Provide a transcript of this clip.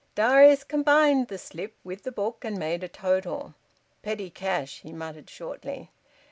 Darius combined the slip with the book and made a total. "Petty cash," he muttered shortly.